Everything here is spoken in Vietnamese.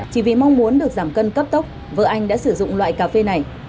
chỉ vì mong muốn được giảm cân cấp tốc vợ anh đã sử dụng loại cà phê này